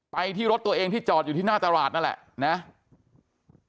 ไปที่รถตัวเองที่จอดอยู่ที่หน้าตลาดนั่นแหละนะ